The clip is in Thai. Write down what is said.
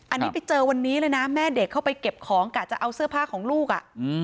อันนี้ไปเจอวันนี้เลยนะแม่เด็กเข้าไปเก็บของกะจะเอาเสื้อผ้าของลูก